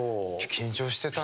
緊張してたね。